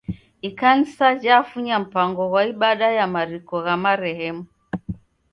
Ikanisa jafunya mpango ghwa ibada ya mariko gha marehemu.